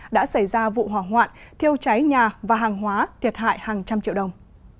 đã xảy ra vụ hỏa hoạn thiêu cháy nhà và hàng hóa thiệt hại hàng trăm triệu đồng